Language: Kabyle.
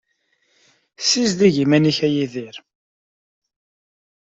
Ssizdeg iman-ik a Yidir.